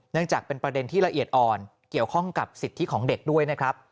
จากเป็นประเด็นที่ละเอียดอ่อนเกี่ยวข้องกับสิทธิของเด็กด้วยนะครับ